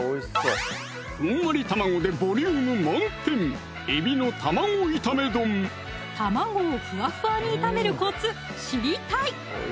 ふんわり卵でボリューム満点卵をふわふわに炒めるコツ知りたい！